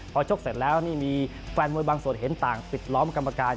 พอชกเสร็จแล้วนี่มีแฟนมวยบางส่วนเห็นต่างปิดล้อมกรรมการ